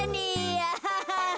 アハハハ。